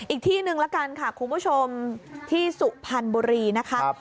อีกที่หนึ่งละกันค่ะคุณผู้ชมที่สุพรรณบุรีนะคะ